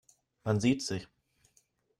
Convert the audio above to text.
Man sieht sich.